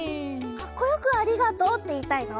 かっこよく「ありがとう」っていいたいの？